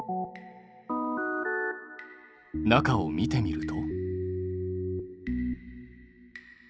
中を見てみると。